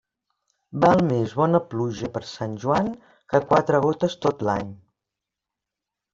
Val més bona pluja per Sant Joan que quatre gotes tot l'any.